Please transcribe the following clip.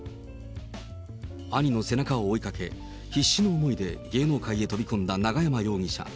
兄の背中を追いかけ、必死の思いで芸能界へ飛び込んだ永山容疑者。